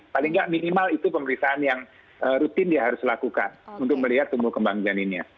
paling nggak minimal itu pemeriksaan yang rutin dia harus lakukan untuk melihat tumbuh kembang janinnya